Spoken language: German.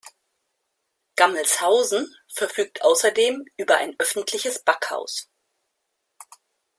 Gammelshausen verfügt außerdem über ein öffentliches Backhaus.